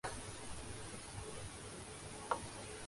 اور اس طرح مسلمانوں میں اختلاف برپا ہوا